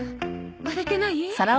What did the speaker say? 割れてない？